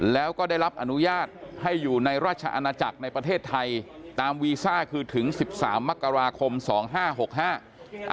แล้วก็ได้รับอนุญาตให้อยู่ในราชอาณาจักรในประเทศไทยตามวีซ่าคือถึงสิบสามมกราคมสองห้าหกห้า